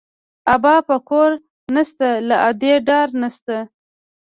ابا په کور نه شته، له ادې ډار نه شته